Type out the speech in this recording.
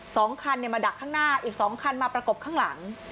สองคันเนี่ยมาดักข้างหน้าอีกสองคันมาประกบข้างหลัง